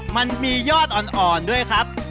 มันมียอดอ่อนด้วยครับ